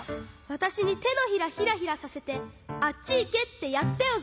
わたしにてのひらヒラヒラさせてあっちいけってやったよ